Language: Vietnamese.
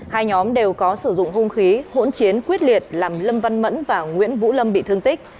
hai nhóm đều có sử dụng hung khí hỗn chiến quyết liệt làm lâm văn mẫn và nguyễn vũ lâm bị thương tích